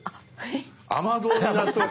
雨どうになっとる。